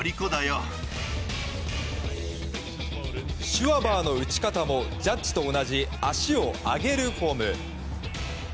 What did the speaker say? シュワバーの打ち方もジャッジと同じ足を上げるフォーム。